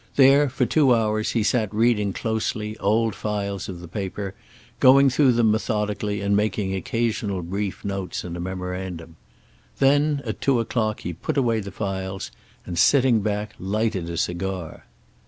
There, for two hours, he sat reading closely old files of the paper, going through them methodically and making occasional brief notes in a memorandum. Then, at two o'clock he put away the files, and sitting back, lighted a cigar.